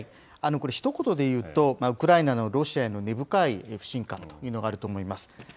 これ、ひと言でいうと、ウクライナのロシアへの根深い不信感というのがあると思います。